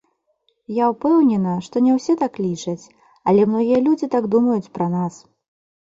Я ўпэўнена, што не ўсе так лічаць, але многія людзі так думаюць пра нас.